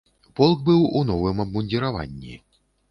Полк быў у новым абмундзіраванні.